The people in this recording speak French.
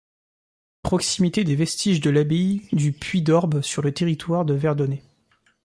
Proximité des vestiges de l'abbaye du Puits d'Orbe sur le territoire de Verdonnet.